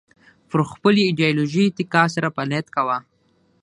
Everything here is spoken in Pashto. پر خپلې ایدیالوژۍ اتکا سره فعالیت کاوه